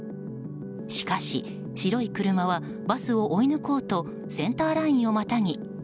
しかし白い車はバスを追い抜こうとセンターラインをまたぎ